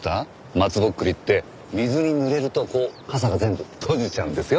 松ぼっくりって水に濡れるとこう笠が全部閉じちゃうんですよ。